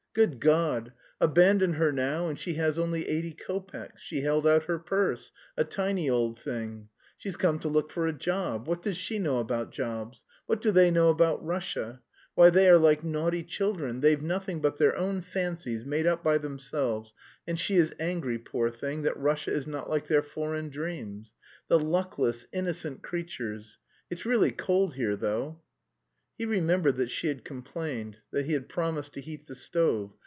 "Good God! Abandon her now, and she has only eighty kopecks; she held out her purse, a tiny old thing! She's come to look for a job. What does she know about jobs? What do they know about Russia? Why, they are like naughty children, they've nothing but their own fancies made up by themselves, and she is angry, poor thing, that Russia is not like their foreign dreams! The luckless, innocent creatures!... It's really cold here, though." He remembered that she had complained, that he had promised to heat the stove.